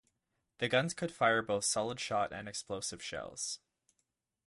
The guns could fire both solid shot and explosive shells.